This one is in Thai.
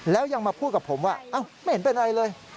แล้วยังมาพูดกับผมว่าไม่เห็นเป็นอะไรเลย